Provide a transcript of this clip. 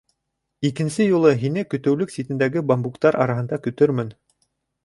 Икенсе юлы һине көтөүлек ситендәге бамбуктар араһында көтөрмөн.